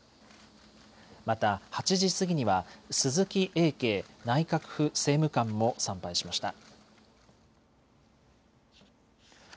また８時過ぎには鈴木英敬内閣府政務官も参拝しました。